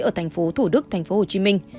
ở thành phố thủ đức tp hcm